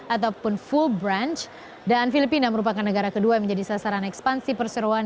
ataupun full branch dan filipina merupakan negara kedua yang menjadi sasaran ekspansi perseroan